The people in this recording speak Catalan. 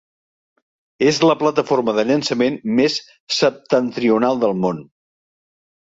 És la plataforma de llançament més septentrional del món.